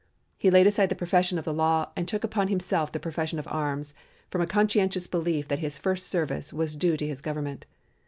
He laid aside the profession of the law, and took upon himself the profession of arms, from a conscientious belief that his first service was due to his Government.